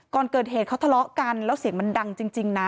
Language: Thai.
ก่อนเกิดเหตุเขาทะเลาะกันแล้วเสียงมันดังจริงนะ